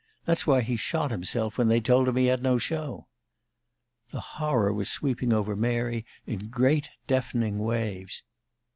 That's why he shot himself when they told him he had no show." The horror was sweeping over Mary in great, deafening waves.